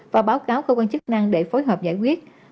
và báo cáo cơ quan chức năng để phối hợp giải quyết